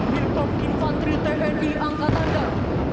milkor infantri tni angkatan darat